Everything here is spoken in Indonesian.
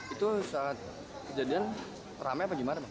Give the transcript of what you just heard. itu saat kejadian rame apa gimana